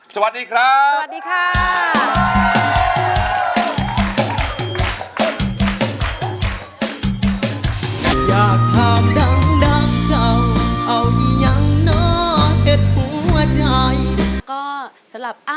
สวัสดีครับ